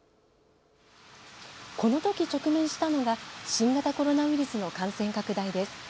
このとき、直面したのが新型コロナウイルスの感染拡大です。